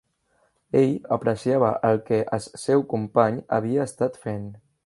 Ell apreciava el que es seu company havia estat fent.